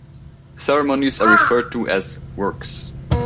Ceremonies are referred to as "works".